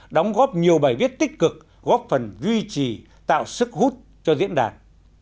đóng góp nhiều bài viết tích cực góp phần duy trì tạo sức hút cho diễn đàn